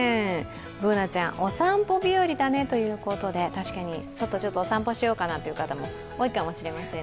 Ｂｏｏｎａちゃん、お散歩日和だなということで確かに外をちょっとお散歩しようかなという方も多いかもしれません。